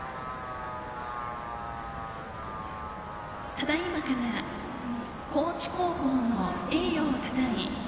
ただいまから高知高校の栄誉をたたえ